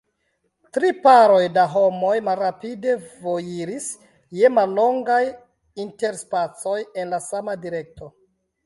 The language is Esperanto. Tri paroj da homoj malrapide vojiris, je mallongaj interspacoj, en la sama direkto.